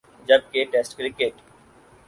جب کہ test cricket